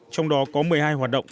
trong đó có một mươi hai hoạt động